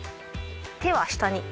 手は下に。